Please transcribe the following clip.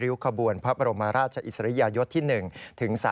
้วขบวนพระบรมราชอิสริยยศที่๑ถึง๓๔